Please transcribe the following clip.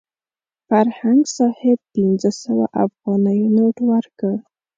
فرهنګ صاحب پنځه سوه افغانیو نوټ ورکړ.